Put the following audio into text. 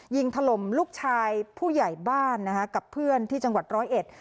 ถล่มลูกชายผู้ใหญ่บ้านนะคะกับเพื่อนที่จังหวัดร้อยเอ็ด